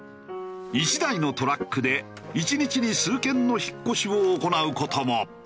１台のトラックで１日に数軒の引っ越しを行う事も。